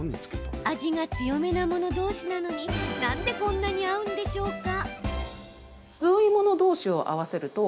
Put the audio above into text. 味が強めなもの同士なのになんでこんなに合うんでしょうか。